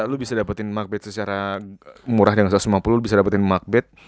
lo bisa dapetin macbeth secara murah dengan satu ratus lima puluh bisa dapetin macbeth